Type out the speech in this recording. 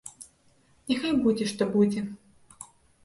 Няхай будзе што будзе!